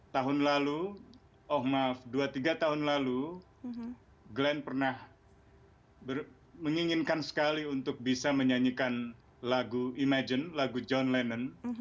tahun lalu oh maaf dua tiga tahun lalu glenn pernah menginginkan sekali untuk bisa menyanyikan lagu imagion lagu john lennan